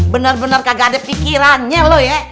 bener bener kagak ada pikirannya lo ya